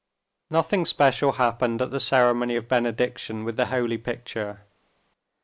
Nothing special happened at the ceremony of benediction with the holy picture.